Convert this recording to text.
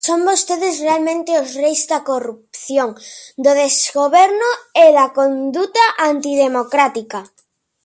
Son vostedes realmente os reis da corrupción, do desgoberno e da conduta antidemocrática.